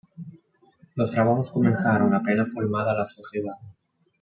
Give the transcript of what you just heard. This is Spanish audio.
Los trabajos comenzaron apenas formada la sociedad.